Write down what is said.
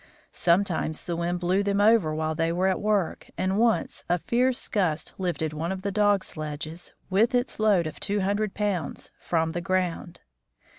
Sometimes the wind blew them over while they were at work, and once a fierce gust lifted one of the dog sledges, with its load of two hundred pounds, from the ground.